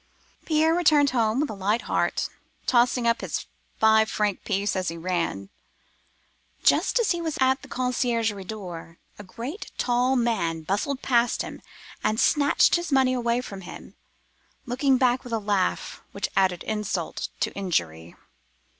"Pierre returned home with a light heart, tossing up his five franc piece as he ran. Just as he was at the conciergerie door, a great tall man bustled past him, and snatched his money away from him, looking back with a laugh, which added insult to injury.